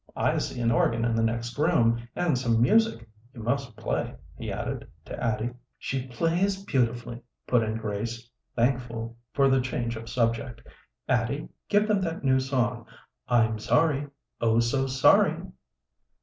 "I see an organ in the next room and some music. You must play," he added, to Addie. "She plays beautifully," put in Grace, thankful for the change of subject. "Addie, give them that new song, 'I'm Sorry, Oh, So Sorry!'"